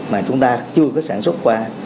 mà chúng ta chưa có sản xuất qua